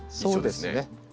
そうですね。